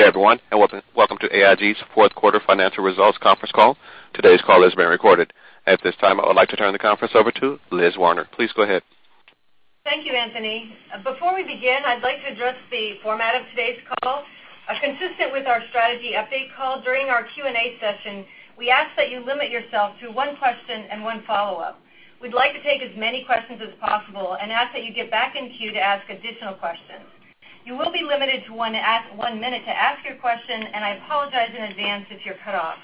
Good day, everyone, and welcome to AIG's fourth quarter financial results conference call. Today's call is being recorded. At this time, I would like to turn the conference over to Liz Werner. Please go ahead. Thank you, Anthony. Before we begin, I'd like to address the format of today's call. Consistent with our strategy update call, during our Q&A session, we ask that you limit yourself to one question and one follow-up. We'd like to take as many questions as possible and ask that you get back in queue to ask additional questions. You will be limited to one minute to ask your question, and I apologize in advance if you're cut off.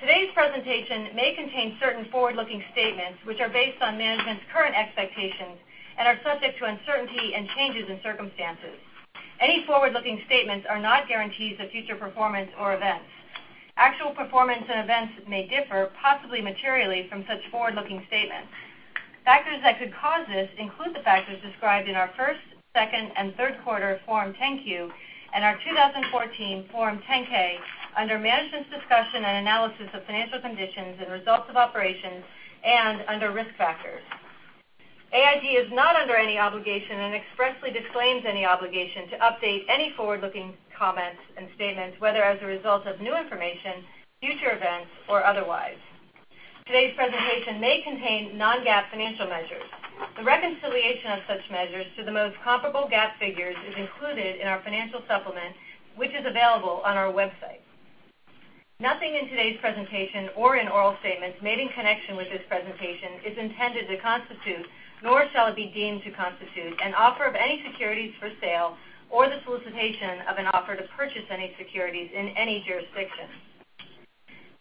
Today's presentation may contain certain forward-looking statements which are based on management's current expectations and are subject to uncertainty and changes in circumstances. Any forward-looking statements are not guarantees of future performance or events. Actual performance and events may differ, possibly materially, from such forward-looking statements. Factors that could cause this include the factors described in our first, second, and third quarter Form 10-Q, and our 2014 Form 10-K under Management's Discussion and Analysis of Financial Conditions and Results of Operations and under Risk Factors. AIG is not under any obligation and expressly disclaims any obligation to update any forward-looking comments and statements, whether as a result of new information, future events, or otherwise. Today's presentation may contain non-GAAP financial measures. The reconciliation of such measures to the most comparable GAAP figures is included in our financial supplement, which is available on our website. Nothing in today's presentation or in oral statements made in connection with this presentation is intended to constitute, nor shall it be deemed to constitute, an offer of any securities for sale or the solicitation of an offer to purchase any securities in any jurisdiction.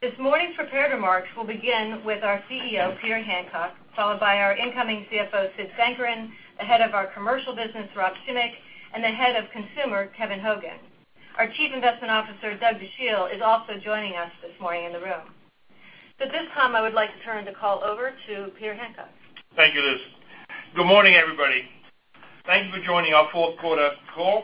This morning's prepared remarks will begin with our CEO, Peter Hancock, followed by our incoming CFO, Sid Sankaran, the head of our Commercial business, Rob Schimek, and the head of Consumer, Kevin Hogan. Our Chief Investment Officer, Doug Dachille, is also joining us this morning in the room. At this time, I would like to turn the call over to Peter Hancock. Thank you, Liz. Good morning, everybody. Thank you for joining our fourth quarter call.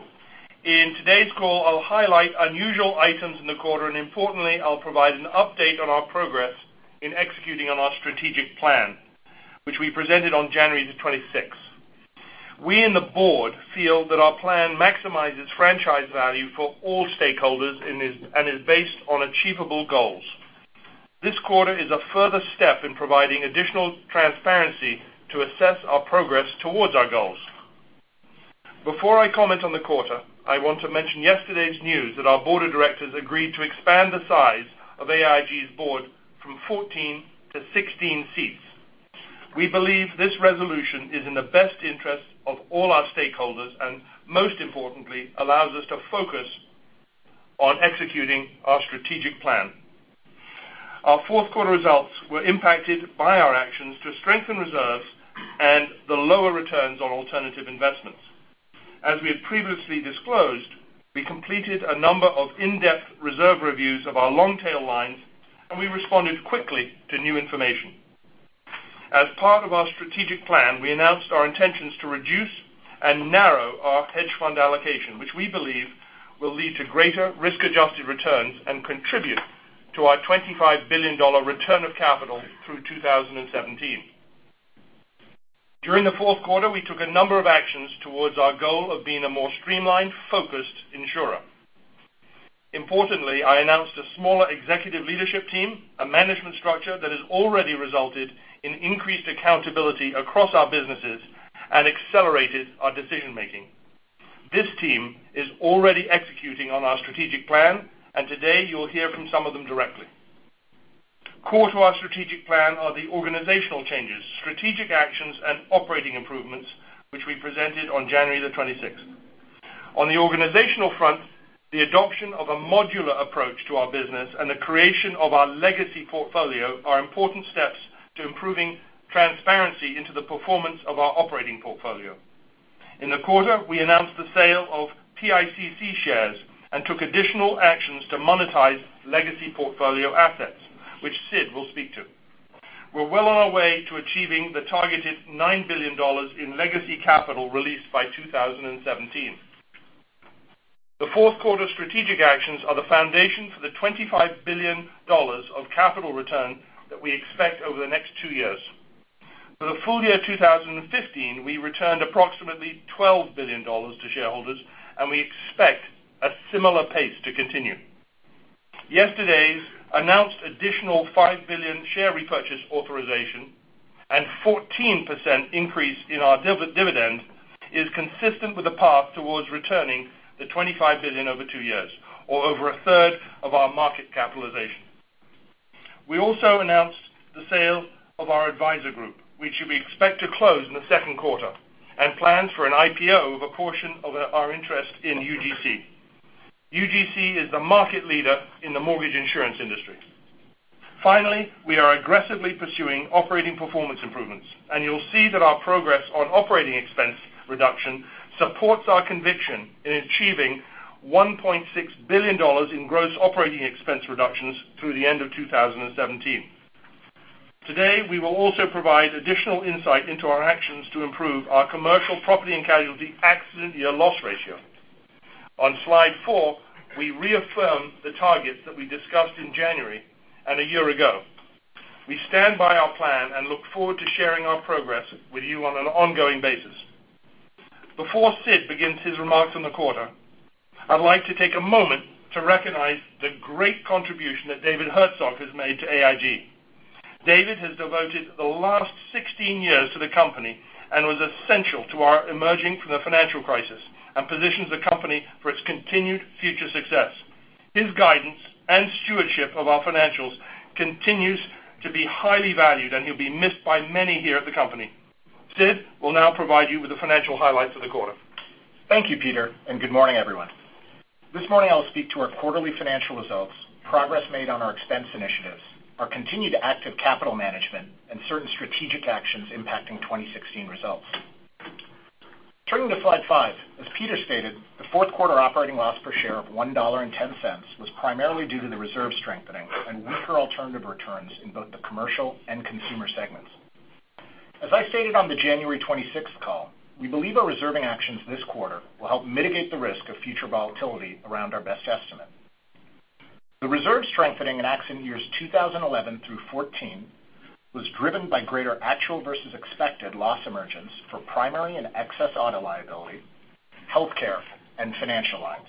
In today's call, I'll highlight unusual items in the quarter, and importantly, I'll provide an update on our progress in executing on our strategic plan, which we presented on January 26th. We in the board feel that our plan maximizes franchise value for all stakeholders and is based on achievable goals. This quarter is a further step in providing additional transparency to assess our progress towards our goals. Before I comment on the quarter, I want to mention yesterday's news that our board of directors agreed to expand the size of AIG's board from 14 to 16 seats. We believe this resolution is in the best interest of all our stakeholders and, most importantly, allows us to focus on executing our strategic plan. Our fourth quarter results were impacted by our actions to strengthen reserves and the lower returns on alternative investments. As we had previously disclosed, we completed a number of in-depth reserve reviews of our long-tail lines, and we responded quickly to new information. As part of our strategic plan, we announced our intentions to reduce and narrow our hedge fund allocation, which we believe will lead to greater risk-adjusted returns and contribute to our $25 billion return of capital through 2017. During the fourth quarter, we took a number of actions towards our goal of being a more streamlined, focused insurer. Importantly, I announced a smaller executive leadership team, a management structure that has already resulted in increased accountability across our businesses and accelerated our decision-making. This team is already executing on our strategic plan, and today you will hear from some of them directly. Core to our strategic plan are the organizational changes, strategic actions and operating improvements, which we presented on January 26th. On the organizational front, the adoption of a modular approach to our business and the creation of our legacy portfolio are important steps to improving transparency into the performance of our operating portfolio. In the quarter, we announced the sale of PICC shares and took additional actions to monetize legacy portfolio assets, which Sid will speak to. We're well on our way to achieving the targeted $9 billion in legacy capital released by 2017. The fourth quarter strategic actions are the foundation for the $25 billion of capital return that we expect over the next two years. For the full year 2015, we returned approximately $12 billion to shareholders, and we expect a similar pace to continue. Yesterday's announced additional $5 billion share repurchase authorization and 14% increase in our dividend is consistent with the path towards returning the $25 billion over two years or over a third of our market capitalization. We also announced the sale of our Advisor Group, which we expect to close in the second quarter, and plans for an IPO of a portion of our interest in UGC. UGC is the market leader in the mortgage insurance industry. Finally, we are aggressively pursuing operating performance improvements, and you'll see that our progress on operating expense reduction supports our conviction in achieving $1.6 billion in gross operating expense reductions through the end of 2017. Today, we will also provide additional insight into our actions to improve our Commercial Property and Casualty accident year loss ratio. On slide four, we reaffirm the targets that we discussed in January and a year ago. We stand by our plan and look forward to sharing our progress with you on an ongoing basis. Before Sid begins his remarks on the quarter, I'd like to take a moment to recognize the great contribution that David Herzog has made to AIG. David has devoted the last 16 years to the company and was essential to our emerging from the financial crisis and positions the company for its continued future success. His guidance and stewardship of our financials continues to be highly valued, and he'll be missed by many here at the company. Sid will now provide you with the financial highlights of the quarter. Thank you, Peter, and good morning, everyone. This morning I'll speak to our quarterly financial results, progress made on our expense initiatives, our continued active capital management, and certain strategic actions impacting 2016 results. Turning to slide five. As Peter stated, the fourth quarter operating loss per share of $1.10 was primarily due to the reserve strengthening and weaker alternative returns in both the commercial and consumer segments. As I stated on the January 26th call, we believe our reserving actions this quarter will help mitigate the risk of future volatility around our best estimate. The reserve strengthening in accident years 2011 through 2014 was driven by greater actual versus expected loss emergence for primary and excess auto liability, healthcare, and financial lines.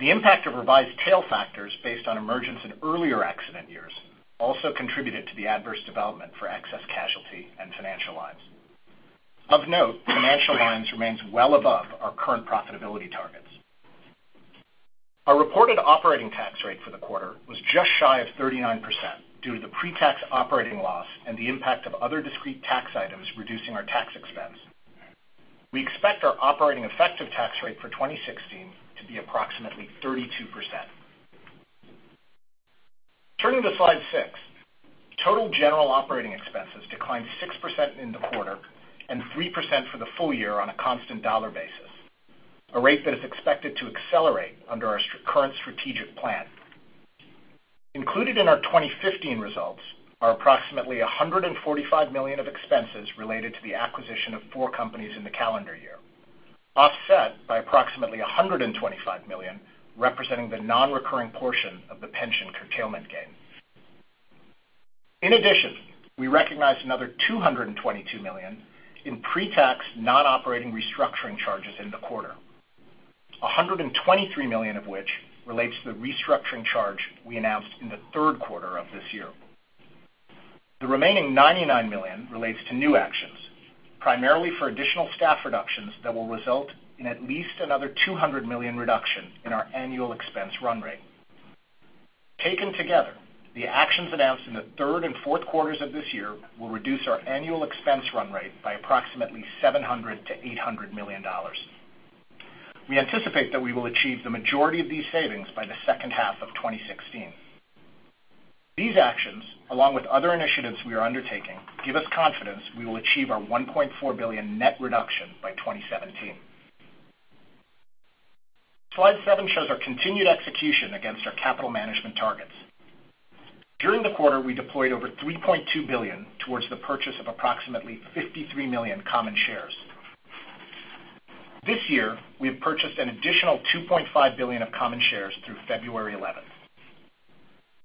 The impact of revised tail factors based on emergence in earlier accident years also contributed to the adverse development for excess casualty and financial lines. Of note, financial lines remains well above our current profitability targets. Our reported operating tax rate for the quarter was just shy of 39% due to the pre-tax operating loss and the impact of other discrete tax items reducing our tax expense. We expect our operating effective tax rate for 2016 to be approximately 32%. Turning to slide six. Total general operating expenses declined 6% in the quarter and 3% for the full year on a constant dollar basis, a rate that is expected to accelerate under our current strategic plan. Included in our 2015 results are approximately $145 million of expenses related to the acquisition of four companies in the calendar year, offset by approximately $125 million, representing the non-recurring portion of the pension curtailment gain. In addition, we recognized another $222 million in pre-tax non-operating restructuring charges in the quarter, $123 million of which relates to the restructuring charge we announced in the third quarter of this year. The remaining $99 million relates to new actions, primarily for additional staff reductions that will result in at least another $200 million reduction in our annual expense run rate. Taken together, the actions announced in the third and fourth quarters of this year will reduce our annual expense run rate by approximately $700 million-$800 million. We anticipate that we will achieve the majority of these savings by the second half of 2016. These actions, along with other initiatives we are undertaking, give us confidence we will achieve our $1.4 billion net reduction by 2017. Slide seven shows our continued execution against our capital management targets. During the quarter, we deployed over $3.2 billion towards the purchase of approximately $53 million common shares. This year, we have purchased an additional $2.5 billion of common shares through February 11th.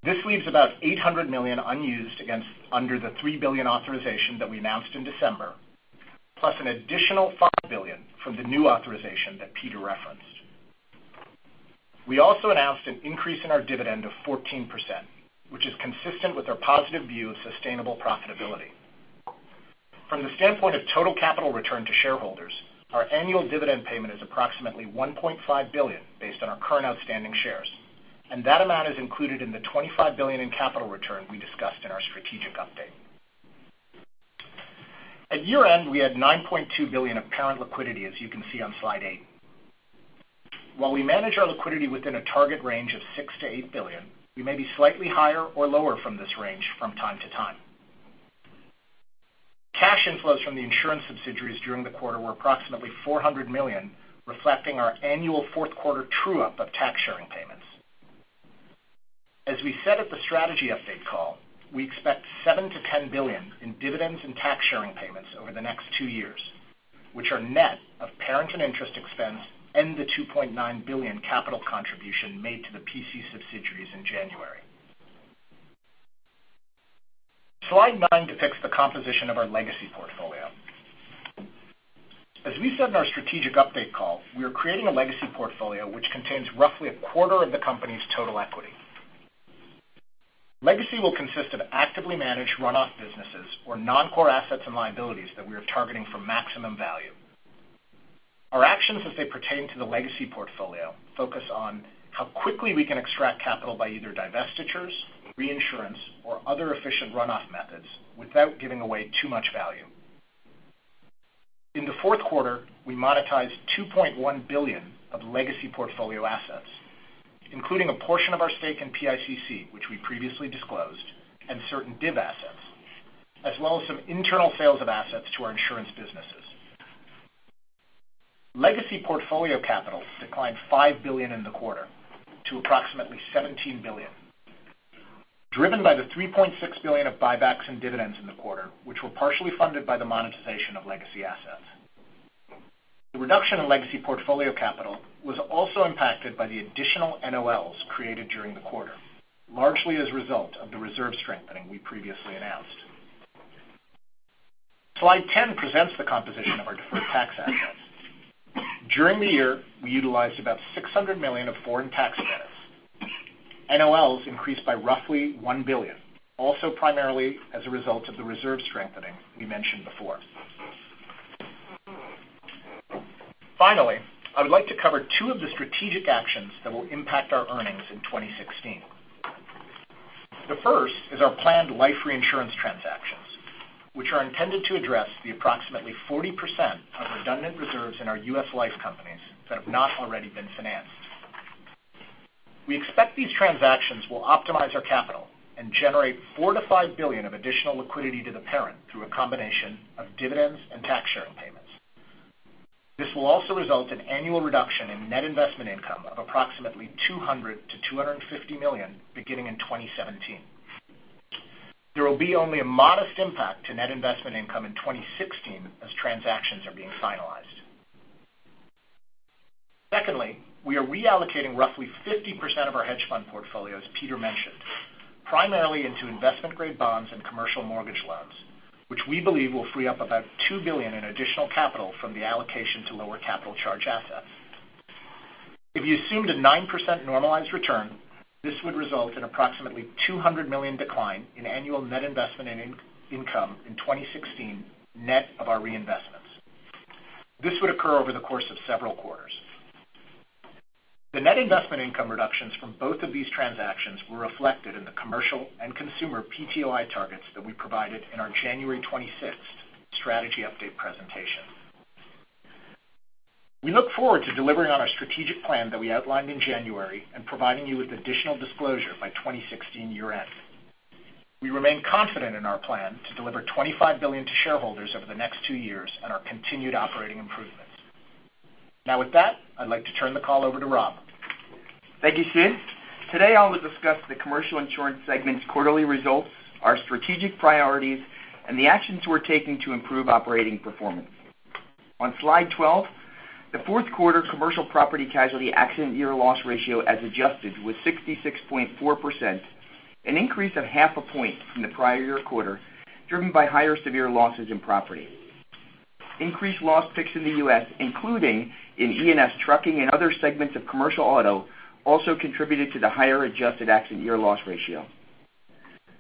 This leaves about $800 million unused against under the $3 billion authorization that we announced in December, plus an additional $5 billion from the new authorization that Peter referenced. We also announced an increase in our dividend of 14%, which is consistent with our positive view of sustainable profitability. From the standpoint of total capital return to shareholders, our annual dividend payment is approximately $1.5 billion based on our current outstanding shares, and that amount is included in the $25 billion in capital return we discussed in our strategic update. At year-end, we had $9.2 billion of parent liquidity, as you can see on slide eight. While we manage our liquidity within a target range of $6 billion-$8 billion, we may be slightly higher or lower from this range from time to time. Cash inflows from the insurance subsidiaries during the quarter were approximately $400 million, reflecting our annual fourth quarter true-up of tax sharing payments. As we said at the strategy update call, we expect $7 billion-$10 billion in dividends and tax sharing payments over the next two years, which are net of parent and interest expense and the $2.9 billion capital contribution made to the P&C subsidiaries in January. Slide nine depicts the composition of our legacy portfolio. As we said in our strategic update call, we are creating a legacy portfolio which contains roughly a quarter of the company's total equity. Legacy will consist of actively managed runoff businesses or non-core assets and liabilities that we are targeting for maximum value. Our actions as they pertain to the legacy portfolio focus on how quickly we can extract capital by either divestitures, reinsurance, or other efficient runoff methods without giving away too much value. In the fourth quarter, we monetized $2.1 billion of legacy portfolio assets, including a portion of our stake in PICC, which we previously disclosed, and certain DIB assets, as well as some internal sales of assets to our insurance businesses. Legacy portfolio capital declined $5 billion in the quarter to approximately $17 billion, driven by the $3.6 billion of buybacks and dividends in the quarter, which were partially funded by the monetization of legacy assets. The reduction in legacy portfolio capital was also impacted by the additional NOLs created during the quarter, largely as a result of the reserve strengthening we previously announced. Slide 10 presents the composition of our deferred tax assets. During the year, we utilized about $600 million of foreign tax credits. NOLs increased by roughly $1 billion, also primarily as a result of the reserve strengthening we mentioned before. Finally, I would like to cover two of the strategic actions that will impact our earnings in 2016. The first is our planned life reinsurance transactions, which are intended to address the approximately 40% of redundant reserves in our U.S. Life companies that have not already been financed. We expect these transactions will optimize our capital and generate $4 billion-$5 billion of additional liquidity to the parent through a combination of dividends and tax sharing payments. This will also result in annual reduction in net investment income of approximately $200 million-$250 million beginning in 2017. There will be only a modest impact to net investment income in 2016 as transactions are being finalized. Secondly, we are reallocating roughly 50% of our hedge fund portfolio, as Peter mentioned, primarily into investment-grade bonds and commercial mortgage loans, which we believe will free up about $2 billion in additional capital from the allocation to lower capital charge assets. If you assume the 9% normalized return, this would result in approximately $200 million decline in annual net investment income in 2016, net of our reinvestments. This would occur over the course of several quarters. The net investment income reductions from both of these transactions were reflected in the commercial and consumer PTOI targets that we provided in our January 26th strategy update presentation. We look forward to delivering on our strategic plan that we outlined in January and providing you with additional disclosure by 2016 year-end. With that, I'd like to turn the call over to Rob. Thank you, Sid. Today I'll discuss the commercial insurance segment's quarterly results, our strategic priorities, and the actions we're taking to improve operating performance. On slide 12, the fourth quarter commercial property casualty accident year loss ratio as adjusted was 66.4%, an increase of half a point from the prior year quarter, driven by higher severe losses in property. Increased loss fix in the U.S., including in E&S trucking and other segments of commercial auto, also contributed to the higher adjusted accident year loss ratio.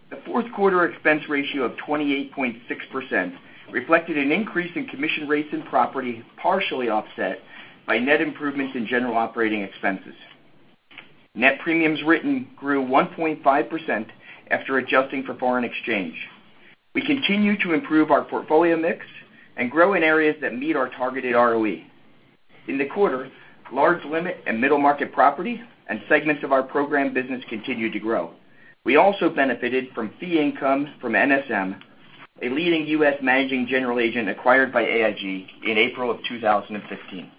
The fourth quarter expense ratio of 28.6% reflected an increase in commission rates in property, partially offset by net improvements in general operating expenses. Net premiums written grew 1.5% after adjusting for foreign exchange. We continue to improve our portfolio mix and grow in areas that meet our targeted ROE. In the quarter, large limit and middle market property and segments of our program business continued to grow. We also benefited from fee income from NSM, a leading U.S. managing general agent acquired by AIG in April of 2015.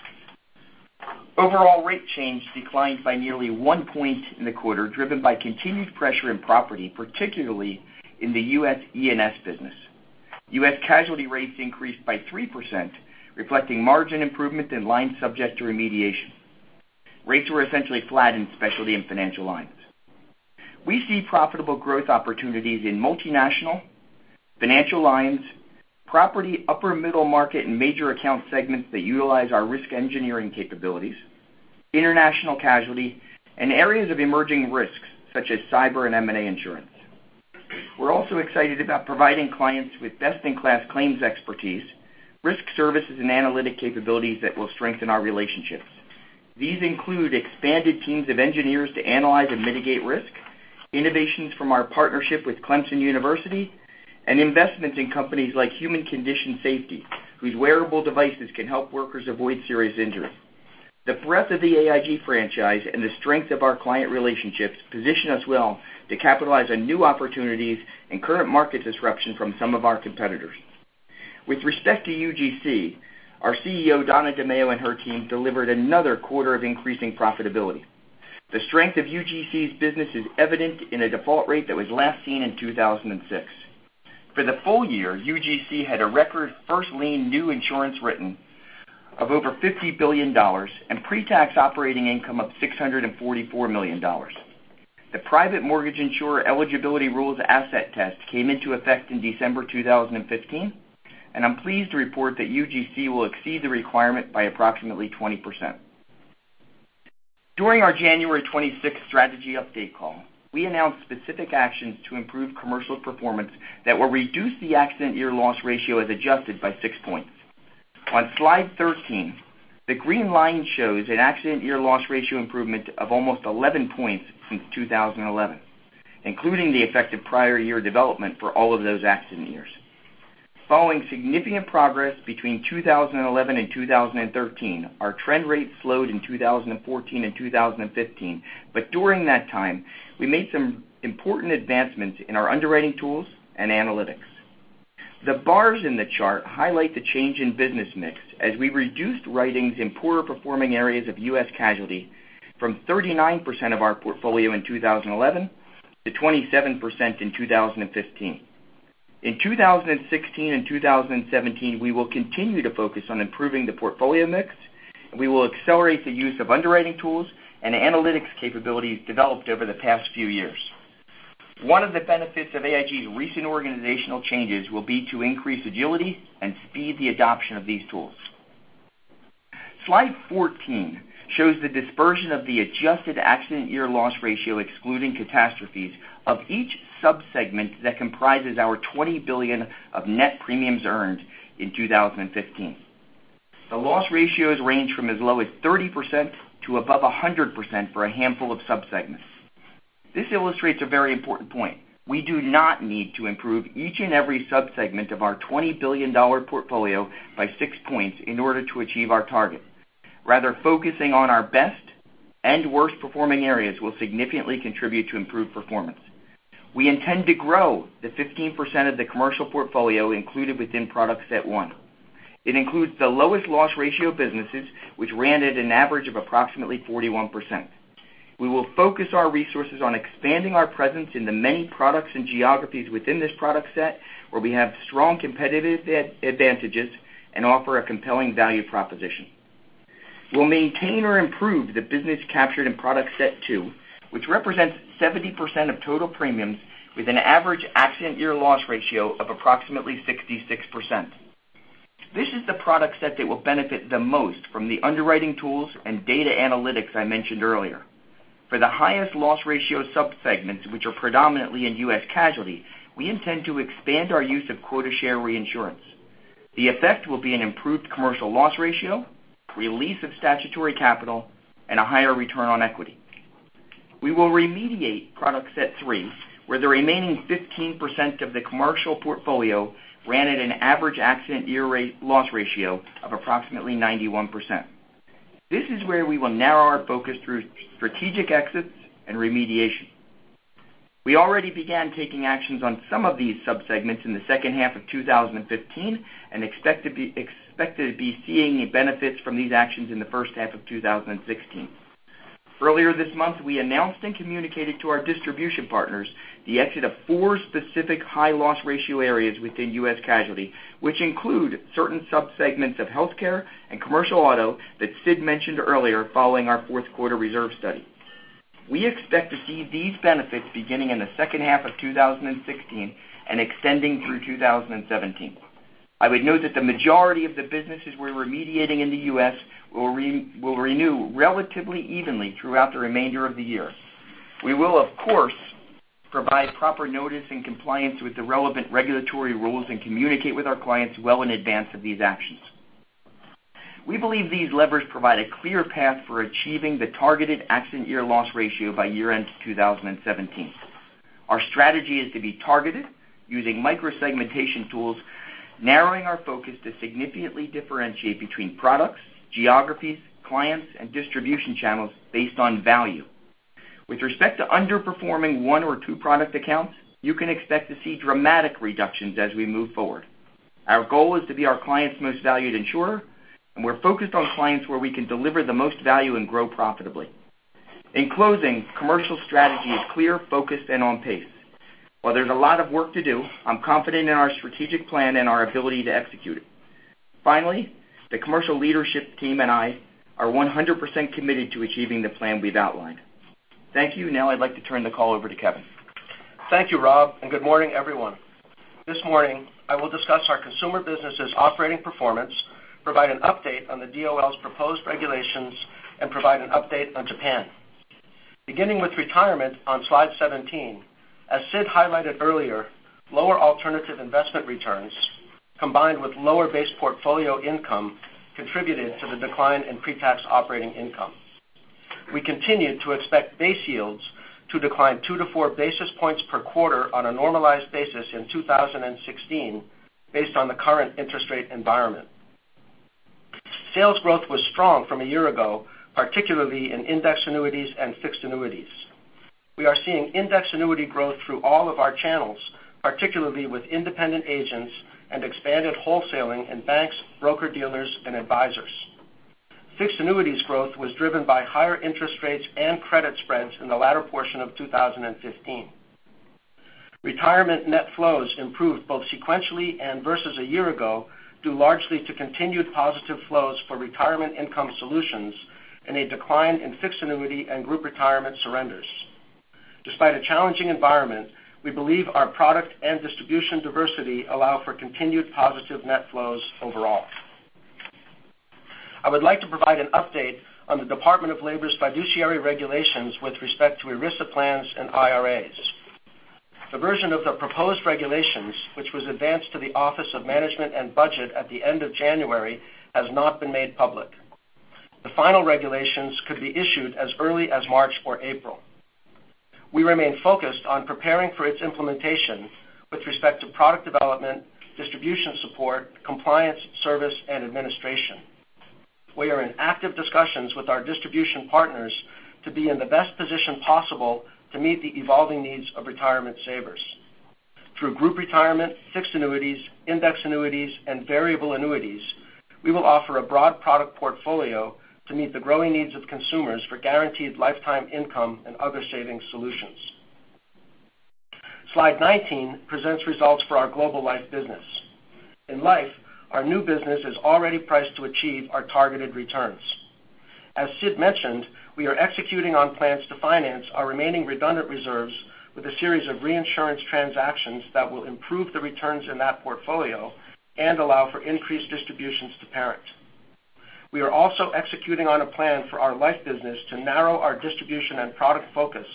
Overall rate change declined by nearly one point in the quarter, driven by continued pressure in property, particularly in the U.S. E&S business. U.S. casualty rates increased by 3%, reflecting margin improvement in lines subject to remediation. Rates were essentially flat in specialty and financial lines. We see profitable growth opportunities in multinational, financial lines, property, upper middle market, and major account segments that utilize our risk engineering capabilities, international casualty, and areas of emerging risks such as cyber and M&A insurance. We're also excited about providing clients with best-in-class claims expertise, risk services, and analytic capabilities that will strengthen our relationships. These include expanded teams of engineers to analyze and mitigate risk, innovations from our partnership with Clemson University, and investments in companies like Human Condition Safety, whose wearable devices can help workers avoid serious injury. The breadth of the AIG franchise and the strength of our client relationships position us well to capitalize on new opportunities and current market disruption from some of our competitors. With respect to UGC, our CEO, Donna DeMaio, and her team delivered another quarter of increasing profitability. The strength of UGC's business is evident in a default rate that was last seen in 2006. For the full year, UGC had a record first lien new insurance written of over $50 billion and pre-tax operating income of $644 million. The private mortgage insurer eligibility rules asset test came into effect in December 2015, and I'm pleased to report that UGC will exceed the requirement by approximately 20%. During our January 26th strategy update call, we announced specific actions to improve commercial performance that will reduce the accident year loss ratio as adjusted by six points. On slide 13, the green line shows an accident year loss ratio improvement of almost 11 points since 2011, including the effect of prior year development for all of those accident years. Following significant progress between 2011 and 2013, our trend rate slowed in 2014 and 2015. During that time, we made some important advancements in our underwriting tools and analytics. The bars in the chart highlight the change in business mix as we reduced writings in poorer performing areas of U.S. casualty from 39% of our portfolio in 2011 to 27% in 2015. In 2016 and 2017, we will continue to focus on improving the portfolio mix, and we will accelerate the use of underwriting tools and analytics capabilities developed over the past few years. One of the benefits of AIG's recent organizational changes will be to increase agility and speed the adoption of these tools. Slide 14 shows the dispersion of the adjusted accident year loss ratio, excluding catastrophes of each sub-segment that comprises our $20 billion of net premiums earned in 2015. The loss ratios range from as low as 30% to above 100% for a handful of sub-segments. This illustrates a very important point. We do not need to improve each and every sub-segment of our $20 billion portfolio by six points in order to achieve our target. Rather, focusing on our best and worst-performing areas will significantly contribute to improved performance. We intend to grow the 15% of the commercial portfolio included within product set one. It includes the lowest loss ratio businesses, which ran at an average of approximately 41%. We will focus our resources on expanding our presence in the many products and geographies within this product set, where we have strong competitive advantages and offer a compelling value proposition. We'll maintain or improve the business captured in product set two, which represents 70% of total premiums, with an average accident year loss ratio of approximately 66%. This is the product set that will benefit the most from the underwriting tools and data analytics I mentioned earlier. For the highest loss ratio sub-segments, which are predominantly in U.S. casualty, we intend to expand our use of quota share reinsurance. The effect will be an improved commercial loss ratio, release of statutory capital, and a higher return on equity. We will remediate product set three, where the remaining 15% of the commercial portfolio ran at an average accident year loss ratio of approximately 91%. This is where we will narrow our focus through strategic exits and remediation. We already began taking actions on some of these sub-segments in the second half of 2015 and expect to be seeing benefits from these actions in the first half of 2016. Earlier this month, we announced and communicated to our distribution partners the exit of four specific high loss ratio areas within U.S. Casualty, which include certain sub-segments of healthcare and commercial auto that Sid mentioned earlier following our fourth quarter reserve study. We expect to see these benefits beginning in the second half of 2016 and extending through 2017. I would note that the majority of the businesses we're remediating in the U.S. will renew relatively evenly throughout the remainder of the year. We will, of course, provide proper notice and compliance with the relevant regulatory rules and communicate with our clients well in advance of these actions. We believe these levers provide a clear path for achieving the targeted accident year loss ratio by year-end 2017. Our strategy is to be targeted using micro-segmentation tools, narrowing our focus to significantly differentiate between products, geographies, clients, and distribution channels based on value. With respect to underperforming one or two product accounts, you can expect to see dramatic reductions as we move forward. Our goal is to be our clients' most valued insurer, and we're focused on clients where we can deliver the most value and grow profitably. In closing, commercial strategy is clear, focused, and on pace. While there's a lot of work to do, I'm confident in our strategic plan and our ability to execute it. Finally, the commercial leadership team and I are 100% committed to achieving the plan we've outlined. Thank you. I'd like to turn the call over to Kevin. Thank you, Rob. Good morning, everyone. This morning, I will discuss our consumer business' operating performance, provide an update on the DOL's proposed regulations, and provide an update on Japan. Beginning with retirement on slide 17, as Sid highlighted earlier, lower alternative investment returns combined with lower base portfolio income contributed to the decline in pre-tax operating income. We continue to expect base yields to decline two to four basis points per quarter on a normalized basis in 2016 based on the current interest rate environment. Sales growth was strong from a year ago, particularly in index annuities and fixed annuities. We are seeing index annuity growth through all of our channels, particularly with independent agents and expanded wholesaling in banks, broker-dealers, and advisors. Fixed annuities growth was driven by higher interest rates and credit spreads in the latter portion of 2015. Retirement net flows improved both sequentially and versus a year ago, due largely to continued positive flows for retirement income solutions and a decline in fixed annuity and group retirement surrenders. Despite a challenging environment, we believe our product and distribution diversity allow for continued positive net flows overall. I would like to provide an update on the Department of Labor's fiduciary regulations with respect to ERISA plans and IRAs. The version of the proposed regulations, which was advanced to the Office of Management and Budget at the end of January, has not been made public. The final regulations could be issued as early as March or April. We remain focused on preparing for its implementation with respect to product development, distribution support, compliance, service, and administration. We are in active discussions with our distribution partners to be in the best position possible to meet the evolving needs of retirement savers. Through group retirement, fixed annuities, index annuities, and variable annuities. We will offer a broad product portfolio to meet the growing needs of consumers for guaranteed lifetime income and other savings solutions. Slide 19 presents results for our global life business. In Life, our new business is already priced to achieve our targeted returns. As Sid mentioned, we are executing on plans to finance our remaining redundant reserves with a series of reinsurance transactions that will improve the returns in that portfolio and allow for increased distributions to parent. We are also executing on a plan for our Life business to narrow our distribution and product focus,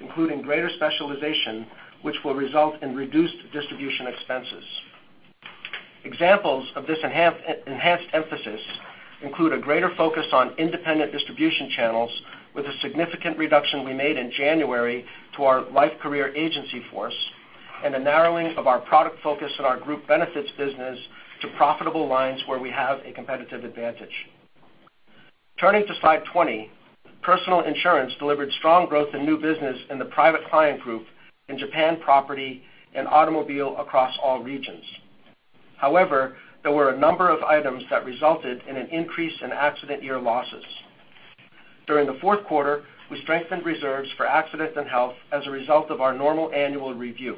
including greater specialization, which will result in reduced distribution expenses. Examples of this enhanced emphasis include a greater focus on independent distribution channels with a significant reduction we made in January to our Life career agency force, and the narrowing of our product focus in our group benefits business to profitable lines where we have a competitive advantage. Turning to slide 20, Personal Insurance delivered strong growth in new business in the private client group in Japan, Property, and Automobile across all regions. There were a number of items that resulted in an increase in accident year losses. During the fourth quarter, we strengthened reserves for accident and health as a result of our normal annual review.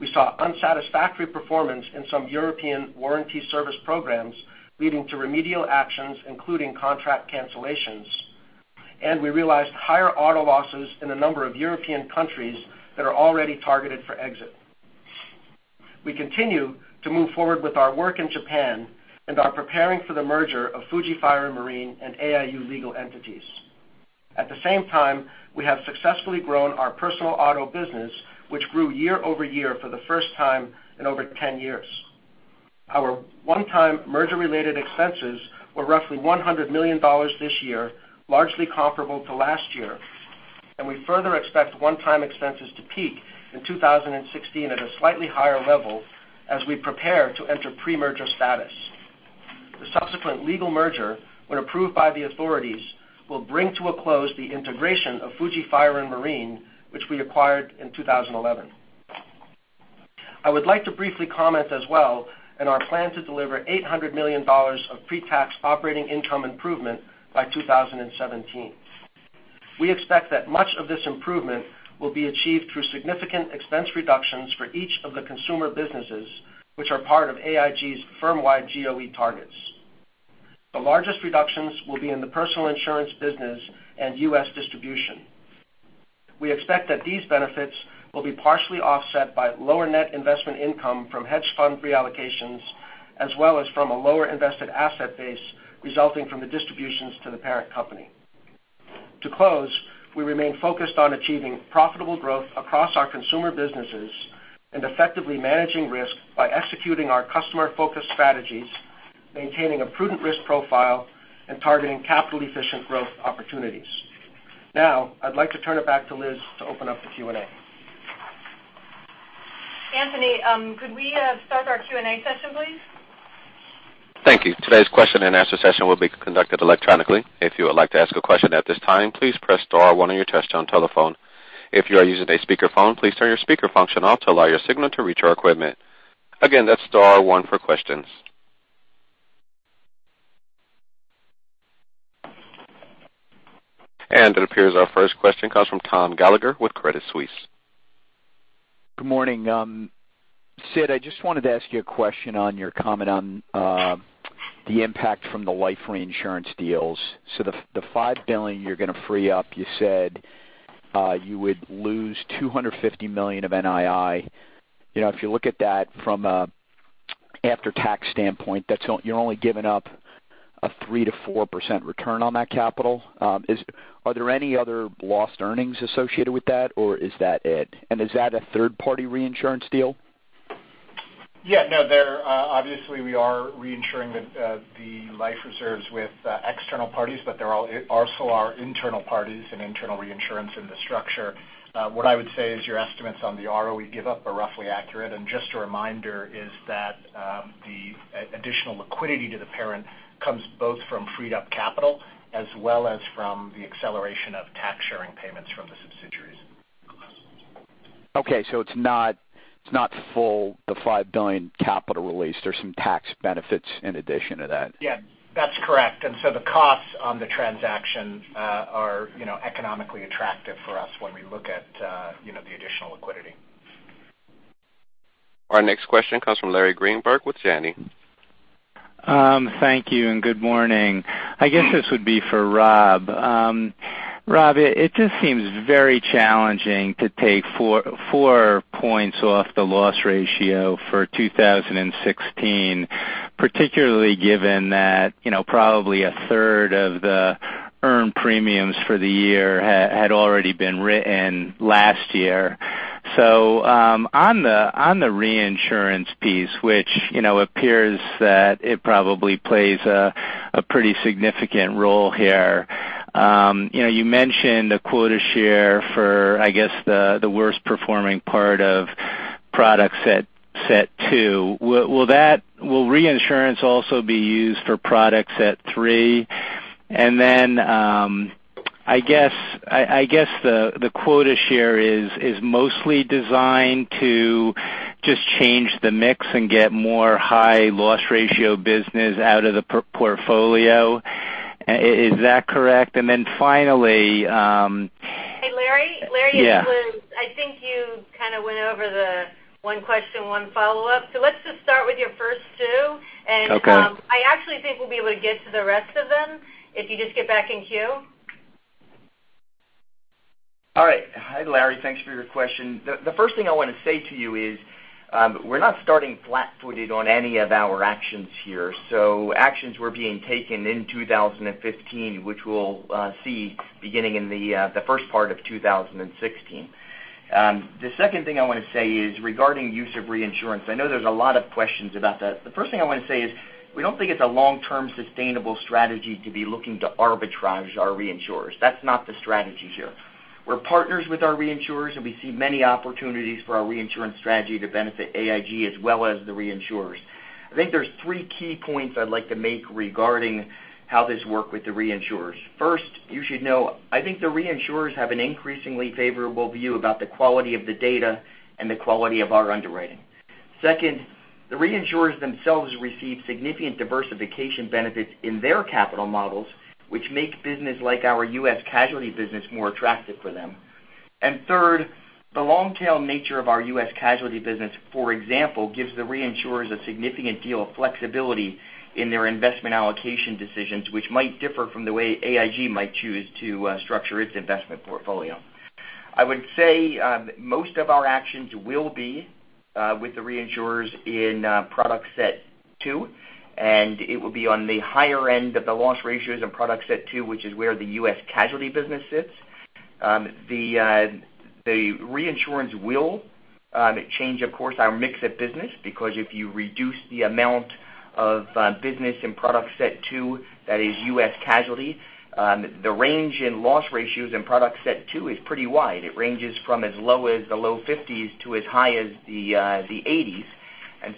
We saw unsatisfactory performance in some European warranty service programs, leading to remedial actions including contract cancellations, and we realized higher auto losses in a number of European countries that are already targeted for exit. We continue to move forward with our work in Japan and are preparing for the merger of Fuji Fire and Marine and AIU legal entities. At the same time, we have successfully grown our personal auto business, which grew year-over-year for the first time in over 10 years. Our one-time merger-related expenses were roughly $100 million this year, largely comparable to last year, and we further expect one-time expenses to peak in 2016 at a slightly higher level as we prepare to enter pre-merger status. The subsequent legal merger, when approved by the authorities, will bring to a close the integration of Fuji Fire and Marine, which we acquired in 2011. I would like to briefly comment as well on our plan to deliver $800 million of pre-tax operating income improvement by 2017. We expect that much of this improvement will be achieved through significant expense reductions for each of the consumer businesses, which are part of AIG's firm-wide GOE targets. The largest reductions will be in the Personal Insurance business and U.S. distribution. We expect that these benefits will be partially offset by lower net investment income from hedge fund reallocations, as well as from a lower invested asset base resulting from the distributions to the parent company. To close, we remain focused on achieving profitable growth across our consumer businesses and effectively managing risk by executing our customer-focused strategies, maintaining a prudent risk profile, and targeting capital-efficient growth opportunities. I'd like to turn it back to Liz to open up the Q&A. Anthony, could we start our Q&A session, please? Thank you. Today's question and answer session will be conducted electronically. If you would like to ask a question at this time, please press star one on your touchtone telephone. If you are using a speakerphone, please turn your speaker function off to allow your signal to reach our equipment. Again, that's star one for questions. It appears our first question comes from Tom Gallagher with Credit Suisse. Good morning. Sid, I just wanted to ask you a question on your comment on the impact from the life reinsurance deals. The $5 billion you're going to free up, you said you would lose $250 million of NII. If you look at that from an after-tax standpoint, you're only giving up a 3%-4% return on that capital. Are there any other lost earnings associated with that, or is that it? Is that a third-party reinsurance deal? Yeah. Obviously, we are reinsuring the life reserves with external parties, but there also are internal parties and internal reinsurance in the structure. What I would say is your estimates on the ROE give-up are roughly accurate. Just a reminder is that the additional liquidity to the parent comes both from freed-up capital as well as from the acceleration of tax-sharing payments from the subsidiaries. Okay, it's not full the $5 billion capital release. There's some tax benefits in addition to that. Yeah, that's correct. The costs on the transaction are economically attractive for us when we look at the additional liquidity. Our next question comes from Larry Greenberg with Janney. Thank you and good morning. I guess this would be for Rob. Rob, it just seems very challenging to take four points off the loss ratio for 2016, particularly given that probably a third of the earned premiums for the year had already been written last year. On the reinsurance piece, which appears that it probably plays a pretty significant role here, you mentioned a quota share for, I guess, the worst-performing part of products at set two. Will reinsurance also be used for products at three? I guess the quota share is mostly designed to just change the mix and get more high loss ratio business out of the portfolio. Is that correct? Hey, Larry? Yeah. Larry, I think you kind of went over the one question, one follow-up. Let's just start with your first two. Okay I actually think we'll be able to get to the rest of them if you just get back in queue. All right. Hi, Larry. Thanks for your question. The first thing I want to say to you is, we're not starting flat-footed on any of our actions here. Actions were being taken in 2015, which we'll see beginning in the first part of 2016. The second thing I want to say is regarding use of reinsurance. I know there's a lot of questions about that. The first thing I want to say is we don't think it's a long-term sustainable strategy to be looking to arbitrage our reinsurers. That's not the strategy here. We're partners with our reinsurers, and we see many opportunities for our reinsurance strategy to benefit AIG as well as the reinsurers. I think there's three key points I'd like to make regarding how this work with the reinsurers. First, you should know, I think the reinsurers have an increasingly favorable view about the quality of the data and the quality of our underwriting. Second, the reinsurers themselves receive significant diversification benefits in their capital models, which make business like our U.S. casualty business more attractive for them. Third, the long tail nature of our U.S. casualty business, for example, gives the reinsurers a significant deal of flexibility in their investment allocation decisions, which might differ from the way AIG might choose to structure its investment portfolio. I would say, most of our actions will be with the reinsurers in product set two, and it will be on the higher end of the loss ratios in product set two, which is where the U.S. casualty business sits. The reinsurance will change, of course, our mix of business, because if you reduce the amount of business in product set two, that is U.S. casualty, the range in loss ratios in product set two is pretty wide. It ranges from as low as the low 50s to as high as the 80s.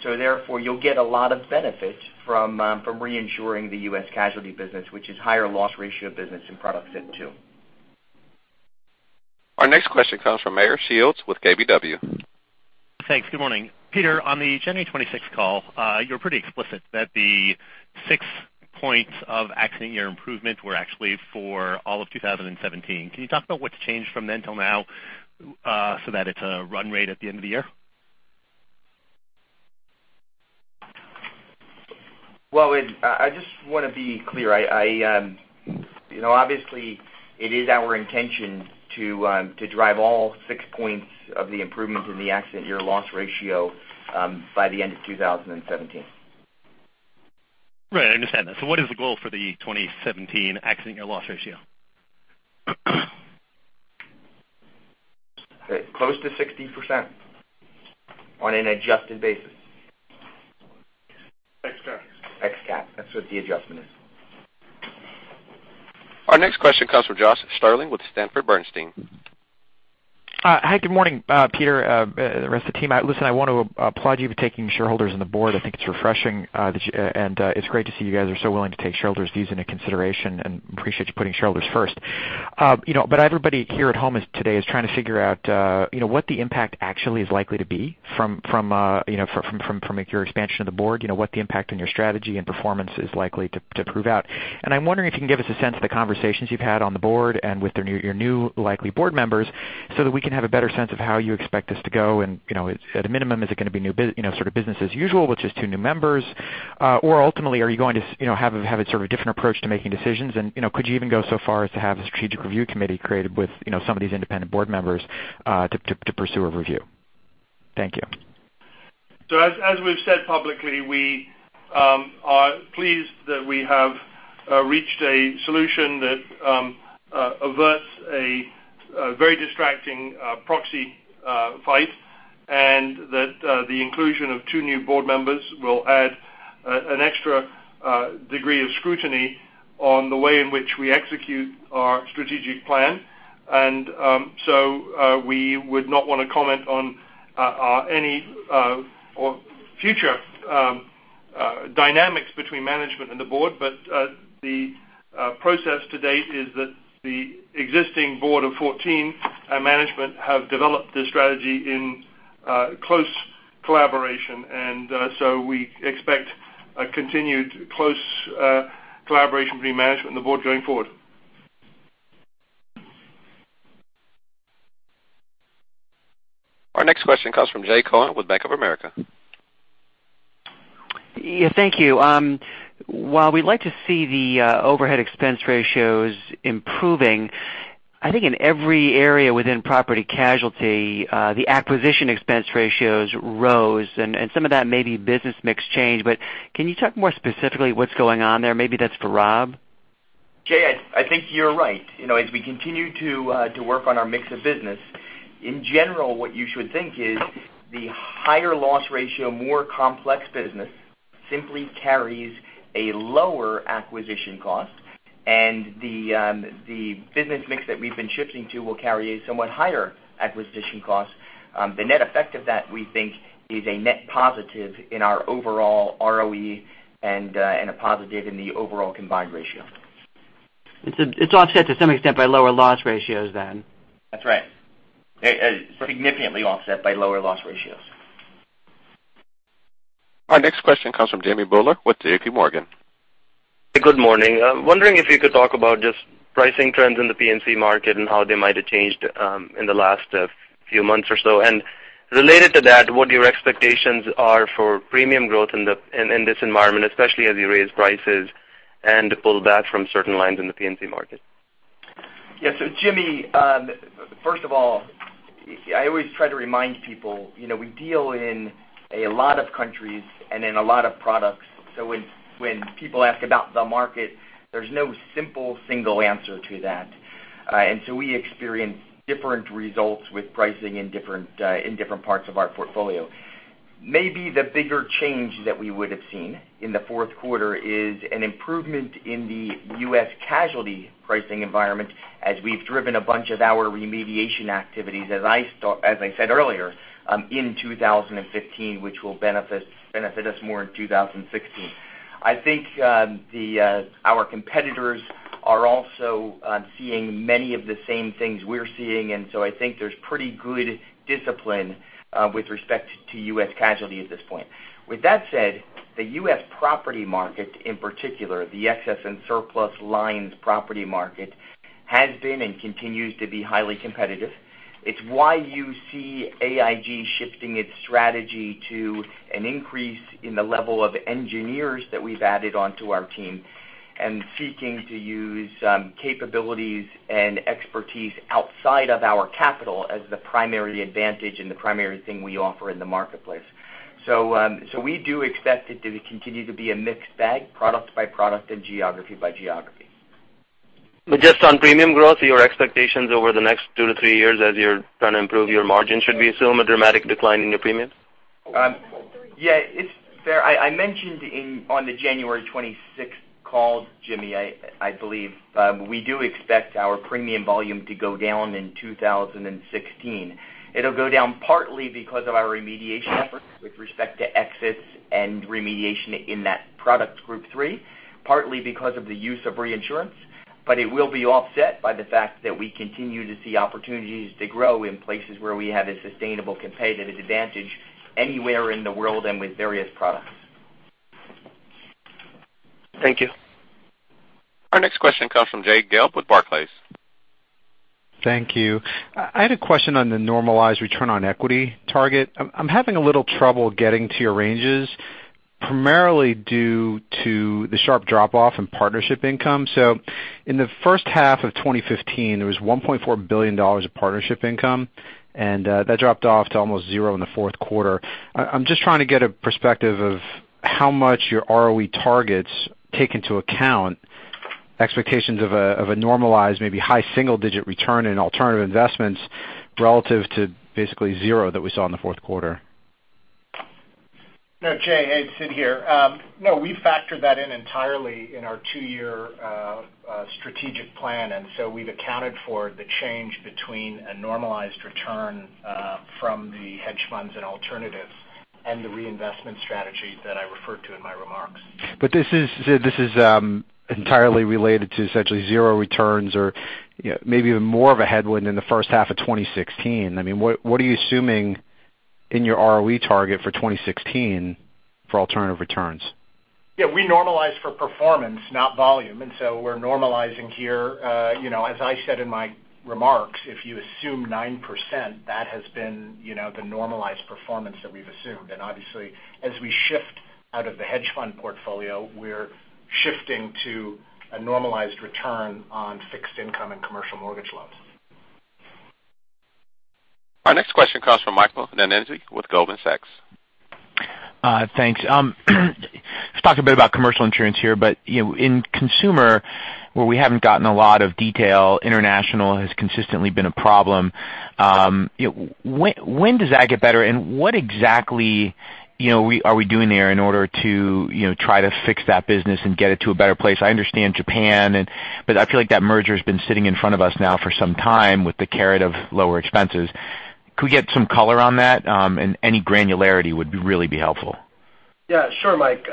Therefore, you'll get a lot of benefit from reinsuring the U.S. casualty business, which is higher loss ratio business in product set two. Our next question comes from Meyer Shields with KBW. Thanks. Good morning. Peter, on the January 26th call, you were pretty explicit that the six points of accident year improvement were actually for all of 2017. Can you talk about what's changed from then till now, so that it's a run rate at the end of the year? Well, I just want to be clear. Obviously, it is our intention to drive all six points of the improvement in the accident year loss ratio, by the end of 2017. Right, I understand that. What is the goal for the 2017 accident year loss ratio? Close to 60% on an adjusted basis. Ex cat. Ex cat. That's what the adjustment is. Our next question comes from Josh Stirling with Sanford Bernstein. Hi, good morning, Peter, the rest of the team. Listen, I want to applaud you for taking shareholders on the board. I think it's refreshing, and it's great to see you guys are so willing to take shareholders' views into consideration and appreciate you putting shareholders first. Everybody here at home today is trying to figure out what the impact actually is likely to be from your expansion of the board, what the impact on your strategy and performance is likely to prove out. I'm wondering if you can give us a sense of the conversations you've had on the board and with your new likely board members, so that we can have a better sense of how you expect this to go. At a minimum, is it going to be sort of business as usual, which is two new members? Ultimately, are you going to have a sort of different approach to making decisions? Could you even go so far as to have a strategic review committee created with some of these independent board members to pursue a review? Thank you. As we've said publicly, we are pleased that we have reached a solution that averts a very distracting proxy fight and that the inclusion of two new board members will add an extra degree of scrutiny on the way in which we execute our strategic plan. We would not want to comment on any future dynamics between management and the board. The process to date is that the existing board of 14 and management have developed this strategy in close collaboration. We expect a continued close collaboration between management and the board going forward. Our next question comes from Jay Cohen with Bank of America. Yeah, thank you. While we'd like to see the overhead expense ratios improving, I think in every area within Property and Casualty, the acquisition expense ratios rose, and some of that may be business mix change, but can you talk more specifically what's going on there? Maybe that's for Rob. Jay, I think you're right. As we continue to work on our mix of business, in general, what you should think is the higher loss ratio, more complex business simply carries a lower acquisition cost, and the business mix that we've been shifting to will carry a somewhat higher acquisition cost. The net effect of that, we think, is a net positive in our overall ROE and a positive in the overall combined ratio. It's offset to some extent by lower loss ratios then. That's right. Significantly offset by lower loss ratios. Our next question comes from Jimmy Bhullar with JPMorgan. Good morning. I'm wondering if you could talk about just pricing trends in the P&C market and how they might have changed in the last few months or so. Related to that, what your expectations are for premium growth in this environment, especially as you raise prices and pull back from certain lines in the P&C market. So Jimmy, first of all, I always try to remind people, we deal in a lot of countries and in a lot of products. When people ask about the market, there's no simple, single answer to that. We experience different results with pricing in different parts of our portfolio. Maybe the bigger change that we would've seen in the fourth quarter is an improvement in the U.S. casualty pricing environment as we've driven a bunch of our remediation activities, as I said earlier, in 2015, which will benefit us more in 2016. I think our competitors are also seeing many of the same things we're seeing, I think there's pretty good discipline with respect to U.S. casualty at this point. With that said, the U.S. property market, in particular, the excess and surplus lines property market, has been and continues to be highly competitive. It's why you see AIG shifting its strategy to an increase in the level of engineers that we've added onto our team and seeking to use capabilities and expertise outside of our capital as the primary advantage and the primary thing we offer in the marketplace. We do expect it to continue to be a mixed bag, product by product and geography by geography. Just on premium growth, your expectations over the next two to three years as you're trying to improve your margin, should we assume a dramatic decline in your premiums? Yeah. I mentioned on the January 26th call, Jimmy, I believe, we do expect our premium volume to go down in 2016. It'll go down partly because of our remediation efforts with respect to exits and remediation in that product group three, partly because of the use of reinsurance, but it will be offset by the fact that we continue to see opportunities to grow in places where we have a sustainable competitive advantage anywhere in the world and with various products. Thank you. Our next question comes from Jay Gelb with Barclays. Thank you. I had a question on the normalized return on equity target. I'm having a little trouble getting to your ranges, primarily due to the sharp drop-off in partnership income. In the first half of 2015, there was $1.4 billion of partnership income, and that dropped off to almost zero in the fourth quarter. I'm just trying to get a perspective of how much your ROE targets take into account expectations of a normalized, maybe high single-digit return in alternative investments relative to basically zero that we saw in the fourth quarter. No, Jay, hey, it's Sid here. No, we factored that in entirely in our two-year strategic plan. We've accounted for the change between a normalized return from the hedge funds and alternative and the reinvestment strategy that I referred to in my remarks. This is entirely related to essentially zero returns or maybe even more of a headwind in the first half of 2016. What are you assuming in your ROE target for 2016 for alternative returns? Yeah, we normalize for performance, not volume. We're normalizing here. As I said in my remarks, if you assume 9%, that has been the normalized performance that we've assumed. Obviously, as we shift out of the hedge fund portfolio, we're shifting to a normalized return on fixed income and commercial mortgage loans. Our next question comes from Michael Nannizzi with Goldman Sachs. Thanks. Let's talk a bit about commercial insurance here, but in consumer where we haven't gotten a lot of detail, international has consistently been a problem. When does that get better, and what exactly are we doing there in order to try to fix that business and get it to a better place? I understand Japan, I feel like that merger's been sitting in front of us now for some time with the carrot of lower expenses. Could we get some color on that? Any granularity would really be helpful. Yeah. Sure, Mike.